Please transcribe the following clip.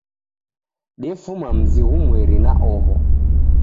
Defuma mzi ghumweri na oho